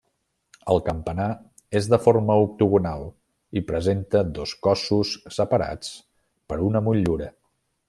El campanar és de forma octogonal i presenta dos cossos separats per una motllura.